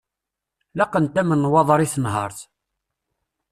Laqent-am nnwaḍer i tenhert.